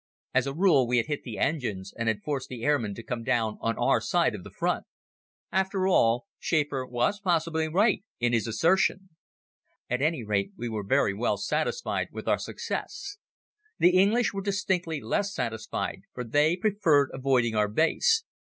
As a rule we had hit the engines and had forced the airmen to come down on our side of the Front. After all, Schäfer was possibly right in his assertion. At any rate, we were very well satisfied with our success. The English were distinctly less satisfied for they preferred avoiding our base.